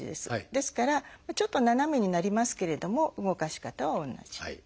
ですからちょっと斜めになりますけれども動かし方は同じ。